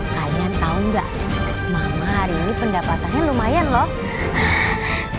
kalian tau gak mama hari ini pendapatannya lumayan loh